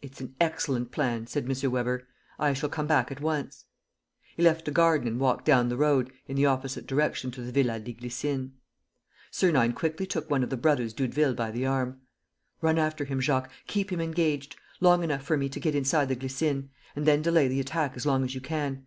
"It is an excellent plan," said M. Weber. "I shall come back at once." He left the garden and walked down the road, in the opposite direction to the Villa des Glycines. Sernine quickly took one of the brothers Doudeville by the arm: "Run after him, Jacques ... keep him engaged ... long enough for me to get inside the Glycines. ... And then delay the attack as long as you can.